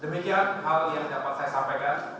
demikian hal yang dapat saya sampaikan